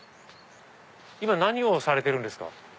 今何をされてるんですか？